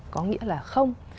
có nghĩa là có thể